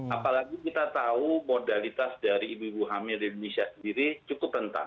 apalagi kita tahu modalitas dari ibu ibu hamil di indonesia sendiri cukup rentan